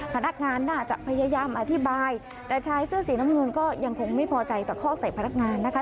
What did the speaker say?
พนักงานน่าจะพยายามอธิบายแต่ชายเสื้อสีน้ำเงินก็ยังคงไม่พอใจตะคอกใส่พนักงานนะคะ